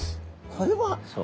これは？